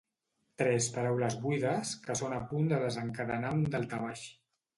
Tres paraules buides que són a punt de desencadenar un daltabaix.